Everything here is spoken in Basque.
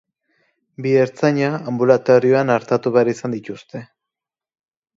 Bi ertzaina anbulatorioan artatu behar izan dituzte.